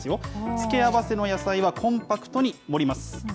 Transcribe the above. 付け合わせの野菜はコンパクトに盛ります。